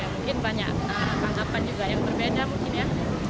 mungkin banyak tanggapan juga yang berbeda mungkin ya